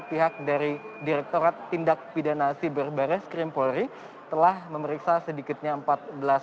pihak dari direktorat tindak pidanasi baris krim polri telah memeriksa sedikitnya empat belas orang